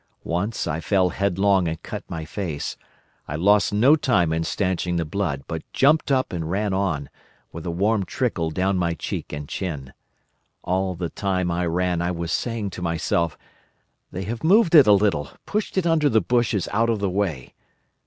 Once I fell headlong and cut my face; I lost no time in stanching the blood, but jumped up and ran on, with a warm trickle down my cheek and chin. All the time I ran I was saying to myself: 'They have moved it a little, pushed it under the bushes out of the way.